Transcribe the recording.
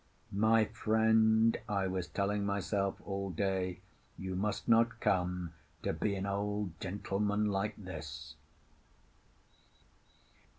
"My friend," I was telling myself all day, "you must not come to be an old gentleman like this."